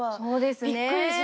そうですね